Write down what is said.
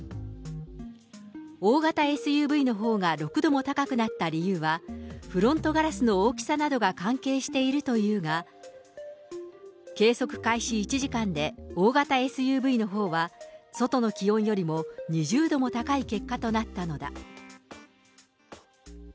大型ＳＵＶのほうが６度も高くなった理由は、フロントガラスの大きさなどが関係しているというが、計測開始１時間で大型ＳＵＶのほうは、外の気温よりも２０度も高い結果となったのだ。